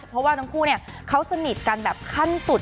เพราะว่าทั้งคู่เขาสนิทกันแบบขั้นสุด